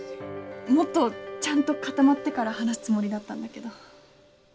もっとちゃんと固まってから話すつもりだったんだけど。